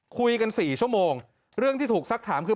คุยกัน๔ชั่วโมงเรื่องที่ถูกสักถามคือ